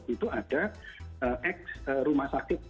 itu ada ex rumah sakit